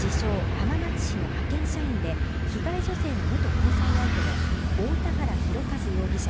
浜松市の派遣社員で被害女性の元交際相手の太田原広和容疑者